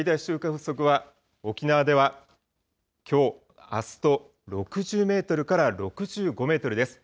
風速は、沖縄ではきょう、あすと６０メートルから６５メートルです。